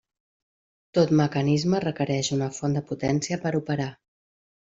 Tot mecanisme requereix una font de potència per operar.